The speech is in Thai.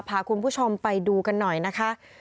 พาคุณผู้ชมไปดูกันหน่อยนะคะ